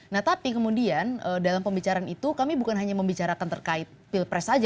nah tapi kemudian dalam pembicaraan itu kami bukan hanya membicarakan terkait pilpres saja